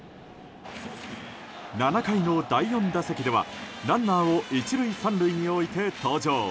７回の第４打席では、ランナーを１塁３塁に置いて登場。